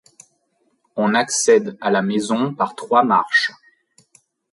On accède à la maison par trois marches.